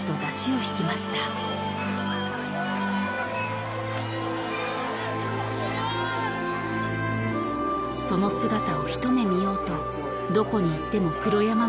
［その姿を一目見ようとどこに行っても黒山の人だかり］